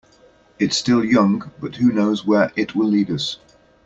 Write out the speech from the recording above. It's still young, but who knows where it will lead us.